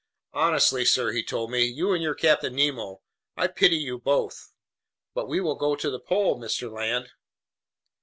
"Honestly, sir," he told me. "You and your Captain Nemo, I pity you both!" "But we will go to the pole, Mr. Land."